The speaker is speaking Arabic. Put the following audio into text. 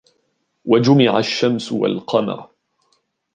وجمع الشمس والقمر